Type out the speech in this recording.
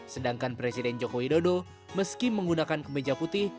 sedangkan presiden jokowi dodo meski menggunakan kemeja putih